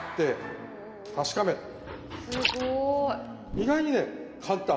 意外にね簡単。